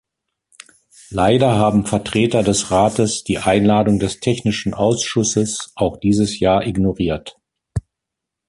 Leider haben Vertreter des Rates die Einladung des technischen Ausschusses auch dieses Jahr ignoriert.